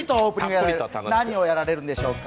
何をするんでしょうか。